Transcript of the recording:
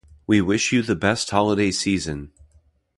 We wish you the best holiday season!